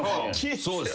そうです。